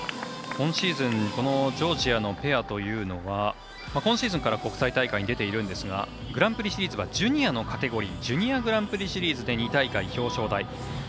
今シーズンこのジョージアのペアというのは今シーズンから、国際大会に出ているんですがグランプリシリーズはジュニアのカテゴリージュニアグランプリシリーズで２大会、表彰台。